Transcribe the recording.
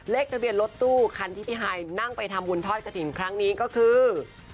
เลขทะเบียนรถตู้คันที่พี่ฮายนั่งไปทำบุญทอดกระถิ่นครั้งนี้ก็คือ